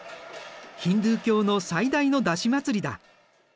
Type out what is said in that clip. ヒンドゥー教の最大の山車祭りだ。